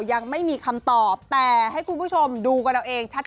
ยังไม่มีคำตอบแต่ให้คุณผู้ชมดูกันเอาเองชัด